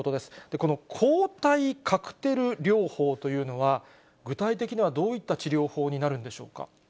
この抗体カクテル療法というのは、具体的には、どういった治療法になるんでしょうか。